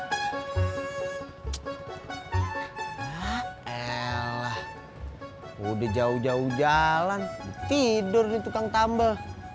ayalah udah jauh jauh jalan tidur nih tukang tambel